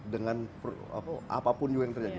dengan apapun juga yang terjadi